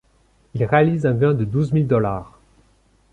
Ils réalisent un gain de douze mille dollars.